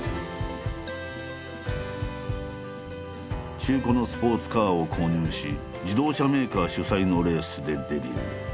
中古のスポーツカーを購入し自動車メーカー主催のレースでデビュー。